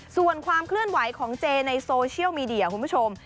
ส่วนความเคลื่อนไหวของเจในโซเชียลมีเดียคุณผู้ชม